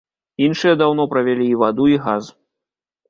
Іншыя даўно правялі і ваду, і газ.